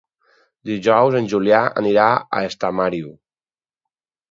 Dijous en Julià anirà a Estamariu.